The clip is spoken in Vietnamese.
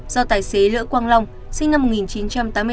do tài xế lỡ quang long sinh năm một nghìn chín trăm tám mươi tám